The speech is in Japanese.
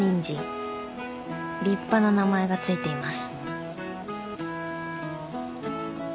立派な名前が付いています。